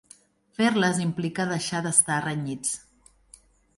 Fer-les implica deixar d'estar renyits.